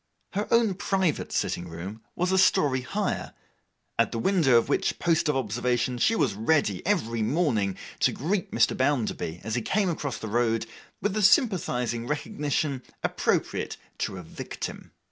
Her own private sitting room was a story higher, at the window of which post of observation she was ready, every morning, to greet Mr. Bounderby, as he came across the road, with the sympathizing recognition appropriate to a Victim.